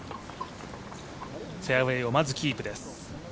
フェアウエーをまずキープです。